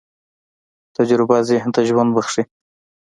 تجربه ذهن ته ژوند بښي.